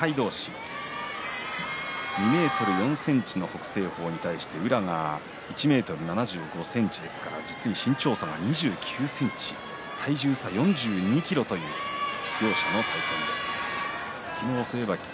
２ｍ４ｃｍの北青鵬に対して宇良が１ｍ７５ｃｍ実に身長差が２９ｃｍ体重差が４２ｋｇという両者の対戦です。